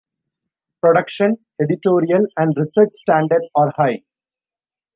Production, editorial and research standards are high.